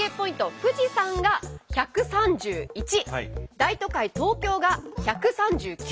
富士山が１３１大都会東京が１３９